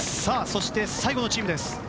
そして、最後のチームです。